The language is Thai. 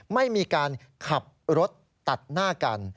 ไม่มีการขับรถตัดหน้ากัน